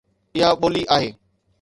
اها ٻولي آهي